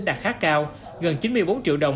đạt khá cao gần chín mươi bốn triệu đồng